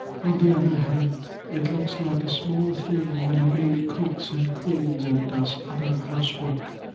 On the other hand, it looks like a small thing when a maid cooks and cleans and does other housework.